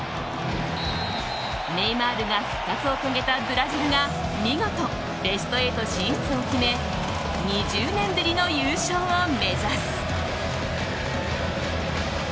ネイマールが復活を遂げたブラジルが見事、ベスト８進出を決め２０年ぶりの優勝を目指す。